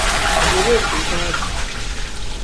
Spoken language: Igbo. Jerome Udọjị